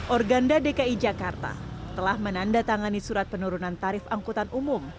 organda dki jakarta telah menandatangani surat penurunan tarif angkutan umum